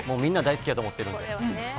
みんな大好きやと思ってるんで。